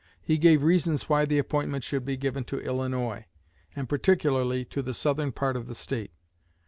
He gave reasons why the appointment should be given to Illinois, and particularly to the southern part of the State.